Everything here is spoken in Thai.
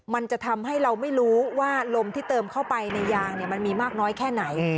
มันจะทำให้เราไม่รู้ว่าลมที่เติมเข้าไปในยางมันมีมากน้อยแค่ไหน